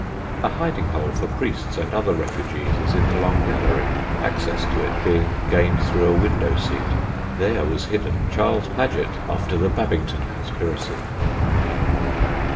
A hiding hole for priests and other refugees is in the long gallery, access to it being gained through a window seat. There was hidden Charles Paget after the Babington conspiracy.